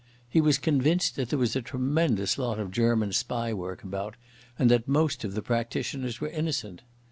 He was convinced that there was a tremendous lot of German spy work about, and that most of the practitioners were innocent.